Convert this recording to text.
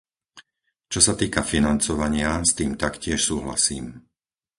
Čo sa týka financovania, s tým taktiež súhlasím.